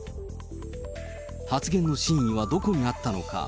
発言の真意はどこにあったのか。